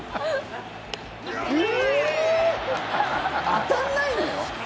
当たんないんだよ？